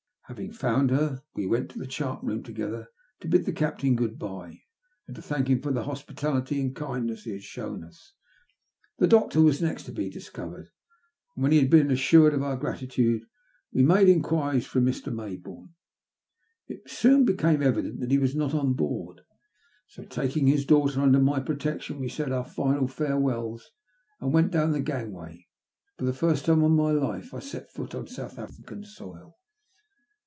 Having found her we went to the chart room together to bid the Captain " good bye," and to thank him for the hos pitality and kindness he had shown us. The doctor had next to be discovered, and when he had been assured of our gratitude, we made enquiries for Mr. Maybourne. It soon became evident that he was not on board, so, taking his daughter under my protection, we said our final farewells and went down the gang way. For the first time in my life I set foot on Soutii African soil.